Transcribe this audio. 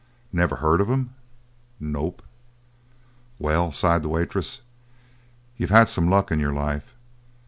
"Never heard of him?" "Nope." "Well," sighed the waitress, "you've had some luck in your life.